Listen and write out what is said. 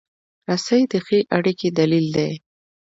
رسۍ د ښې اړیکې دلیل دی.